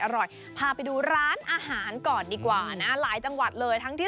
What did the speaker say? พาไปดูร้านอาหารก่อนดีกว่านะหลายจังหวัดเลยทั้งที่